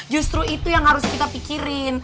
justru itu yang harus kita pikirin